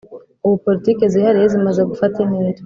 Ubu Politiki zihariye zimaze gufata intera